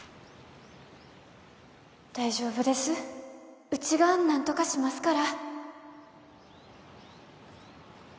大丈夫ですうちが何とかしますから